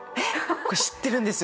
これ知ってるんですよ。